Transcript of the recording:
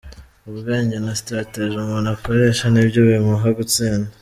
Ubwenge na strategy umuntu akoresha nibyo bimuha gutsinda!